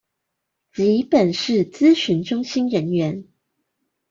及本市諮詢中心人員